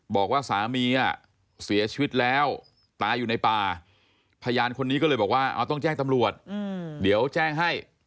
บอกว่าสามีเสียชีวิตแล้วตายอยู่ในป่าพยานคนนี้ก็เลยบอกว่าต้องแจ้งตำรวจเดี๋ยวแจ้งให้